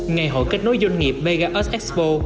ngày hội kết nối doanh nghiệp mega earth expo